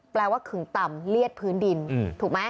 ว่าขึงต่ำเลียดพื้นดินถูกไหม